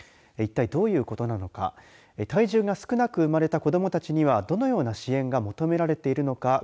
いったいどういうことなのか体重が少なく生まれた子どもたちにはどのような支援が求められているのか。